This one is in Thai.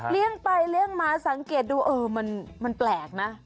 ไปเลี่ยงมาสังเกตดูเออมันแปลกนะ